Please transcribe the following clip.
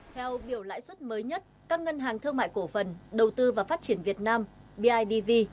theo biểu lãi suất mới nhất các ngân hàng thương mại cổ phần đầu tư và phát triển việt nam bidv